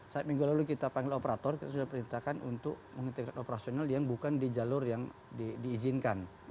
saat minggu lalu kita panggil operator kita sudah perintahkan untuk menghentikan operasional yang bukan di jalur yang diizinkan